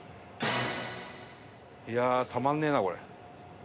いやあたまんねえなこれ。